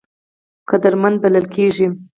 قدرتمند بلل کېږي.